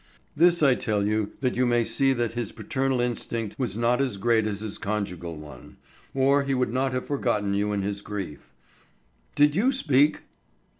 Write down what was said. This I tell you that you may see that his paternal instinct was not as great as his conjugal one, or he would not have forgotten you in his grief. Did you speak?"